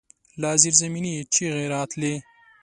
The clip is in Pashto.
له زيرزمينې چيغې راتلې.